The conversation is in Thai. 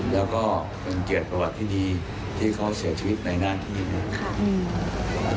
แล้วก็เป็นเกียรติประวัติที่ดีที่เขาเสียชีวิตในหน้าที่นะครับ